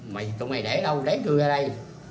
mày tụi mày để đâu để tôi ra đây